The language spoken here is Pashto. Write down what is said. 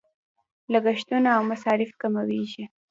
لګښتونه او مصارف کمیږي.